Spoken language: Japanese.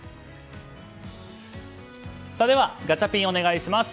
ではガチャピン、お願いします。